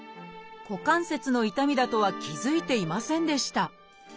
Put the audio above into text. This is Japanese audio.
股関節の痛みだとは気付いていませんでした。